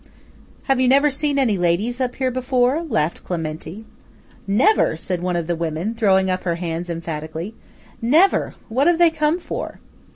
"Have you never seen any ladies up here before?" laughed Clementi. "Never!" said one of the women, throwing up her hands emphatically. "Never! What have they come for?"